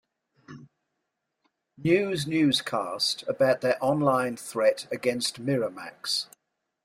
News newscast about their online threat against Miramax.